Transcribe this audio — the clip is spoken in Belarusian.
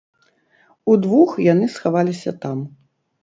Удвух яны схаваліся там.